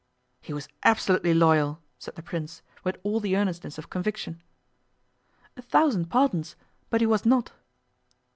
'He was absolutely loyal,' said the Prince, with all the earnestness of conviction. 'A thousand pardons, but he was not.